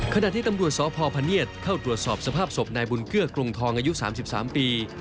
ขณะที่ตำรวจสพพเนียดเข้าตรวจสอบสภาพศพนายบุญเกื้อกรุงทองอายุ๓๓ปี